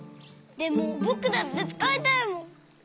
でもぼくだってつかいたいもん。